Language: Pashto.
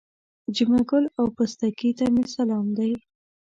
جمعه ګل او پستکي ته مې سلام دی.